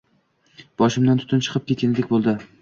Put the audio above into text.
Boshimdan tutun chiqib ketgandek bo`ldi